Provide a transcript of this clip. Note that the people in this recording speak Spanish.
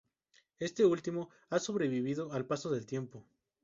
Este último ha sobrevivido al paso del tiempo.